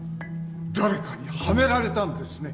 誰かにはめられたんですね！